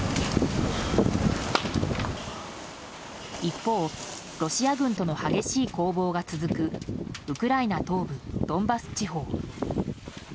一方、ロシア軍との激しい攻防が続くウクライナ東部ドンバス地方。